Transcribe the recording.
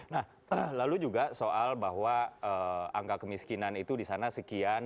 nah lalu juga soal bahwa angka kemiskinan itu di sana sekian